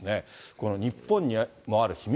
この日本にもある秘密